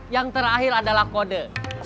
yang terakhir adalah kode